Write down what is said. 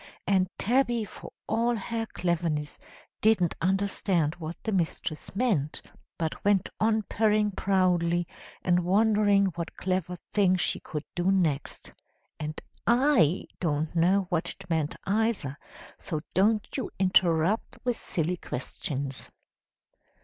And Tabby for all her cleverness didn't understand what the Mistress meant, but went on purring proudly, and wondering what clever thing she could do next. And I don't know what it meant either, so don't you interrupt with silly questions.